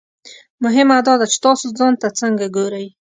مهمه دا ده چې تاسو ځان ته څنګه ګورئ.